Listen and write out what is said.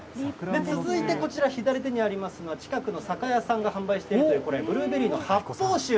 続いてこちら、左手にありますのは、近くの酒屋さんが販売しているというこれ、ブルーベリーの発泡酒。